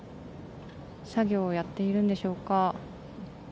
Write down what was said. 作業をやっているんでしょうか。